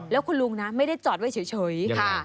แล้วคุณลุงนะไม่ได้จอดไว้เฉยค่ะ